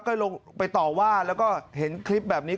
ก็ลงไปต่อว่าแล้วก็เห็นคลิปแบบนี้